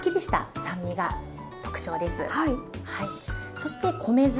そして米酢。